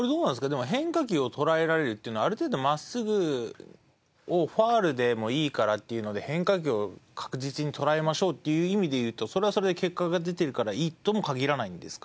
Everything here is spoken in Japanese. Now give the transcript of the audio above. でも変化球を捉えられるっていうのはある程度真っすぐをファウルでもいいからっていうので変化球を確実に捉えましょうっていう意味で言うとそれはそれで結果が出てるからいいとも限らないんですか？